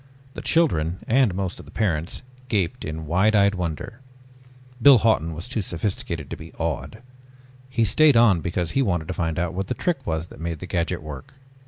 The children and most of the parents gaped in wide eyed wonder. Biff Hawton was too sophisticated to be awed. He stayed on because he wanted to find out what the trick was that made the gadget work.